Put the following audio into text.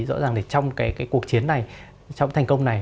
rõ ràng trong cuộc chiến này trong thành công này